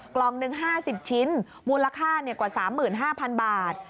กล่องหนึ่ง๕๐ชิ้นมูลค่ากว่า๓๕๐๐๐บาท